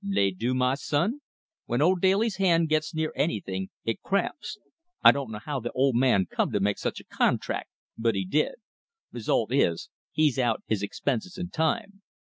"They do, my son. When old Daly's hand gets near anything, it cramps. I don't know how the old man come to make such a contrac', but he did. Result is, he's out his expenses and time."